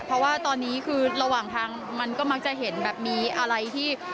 เพราะว่าตอนนี้คือระหว่างทางมันก็มักจะเห็นแบบมีอะไรที่